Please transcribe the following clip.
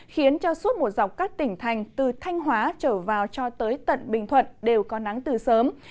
khiến cho suốt một dọc các tỉnh thành từ thanh hóa trở vào cho tới tận bình thuận đều có nắng từ sớm